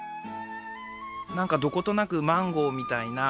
なんかどことなくマンゴーみたいな。